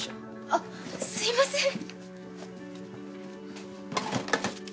あっすいません！